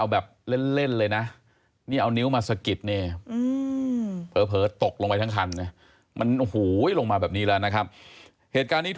แบบเล่นเล่นเลยน่ะเนี่ยเอานิ้วมาสะกิดเนี่ยอืม